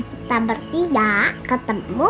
kita bertiga ketemu